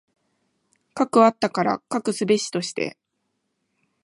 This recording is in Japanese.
斯くあったから斯くすべしとして。